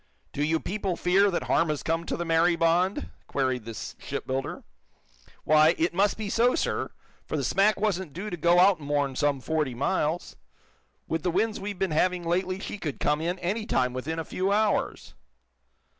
"Do you people fear that harm has come to the 'Mary Bond!" queried the shipbuilder. "Why, it must be so, sir. For the smack wasn't due to go out more'n some forty miles. With the winds we've been having lately she could come in, any time, within a few hours."